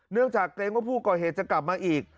จากเกรงว่าผู้ก่อเหตุจะกลับมาอีก